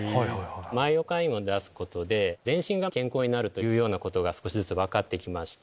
マイオカインを出すことで全身が健康になるということが少しずつ分かってきまして。